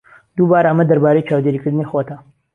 دووبارە، ئەمە دەربارەی چاودێریکردنی خۆتە.